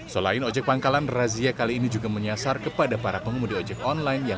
selain ojek pangkalan razia kali ini juga menyasar kepada para pengemudi ojek online yang